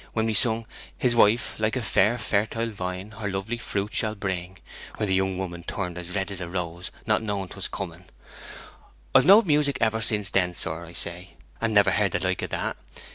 when we sung "His wife, like a fair fertile vine, her lovely fruit shall bring," when the young woman turned as red as a rose, not knowing 'twas coming). I've knowed music ever since then, I say, sir, and never heard the like o' that.